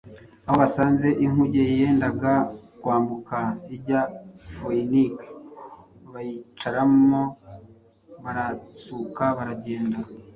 aho basanze “inkuge yendaga kwambuka ijya i Foyinike bayikiramo, baratsuka baragenda.